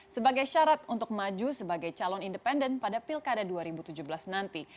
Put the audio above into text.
sebagai syarat untuk maju sebagai calon independen pada pilkada dua ribu tujuh belas nanti